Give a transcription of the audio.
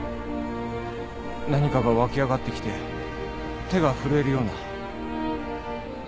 何かが湧き上がってきて手が震えるような。